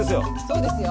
そうですよ。